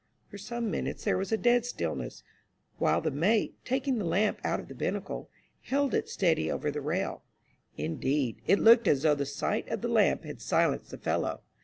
For some minutes there was a dead stillness, while the mate, taking the lamp out of the binnacle, held it steady over the rail. Indeed, it looked as though the sight of the lamp had silenced the fellow.